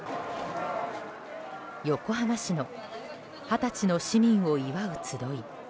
横浜市の二十歳の市民を祝うつどい。